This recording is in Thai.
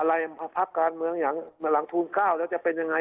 พักการเมืองอย่างหลังทูล๙แล้วจะเป็นยังไง